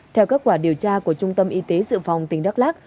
theo kết quả điều tra của trung tâm y tế dự phòng tỉnh đắk lắc